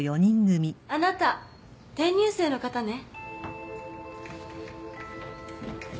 ・あなた転入生の方ね。